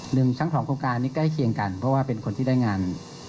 หนึ่งทั้งสองโครงการนี้ใกล้เคียงกันเพราะว่าเป็นคนที่ได้งาน